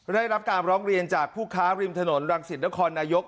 ได้รับการร้องเรียนจากผู้ค้าริมถนนรังสิตนครนายก